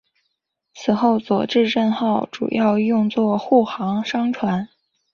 此后佐治镇号主要用作护航商船。